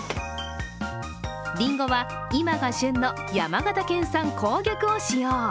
りんごは、今が旬の山形県産紅玉を使用。